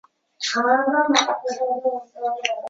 无粉刺红珠为小檗科小檗属下的一个变种。